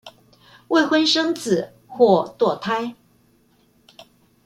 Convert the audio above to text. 未婚生子或墮胎